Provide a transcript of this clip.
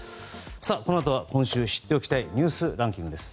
このあとは今週知っておきたいニュースランキングです。